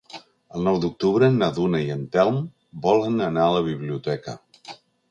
El nou d'octubre na Duna i en Telm volen anar a la biblioteca.